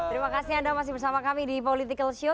terima kasih anda masih bersama kami di politikalshow